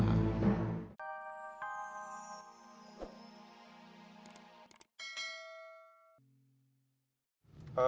kenapa sih ma